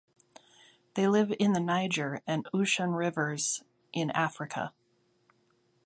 They live in the Niger and Oshun rivers in Africa.